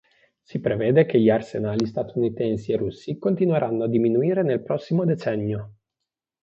Si prevede che gli arsenali statunitensi e russi continueranno a diminuire nel prossimo decennio.